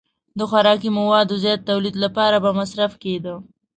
د خوراکي موادو زیات تولید لپاره به مصرف کېده.